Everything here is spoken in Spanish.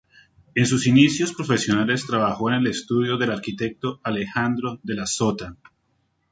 En sus inicios profesionales trabajó en el estudio del arquitecto Alejandro de la Sota.